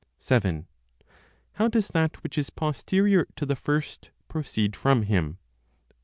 How does that which is Posterior to the First Proceed from Him?